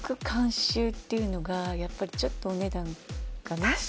監修っていうのがやっぱりちょっとお値段がね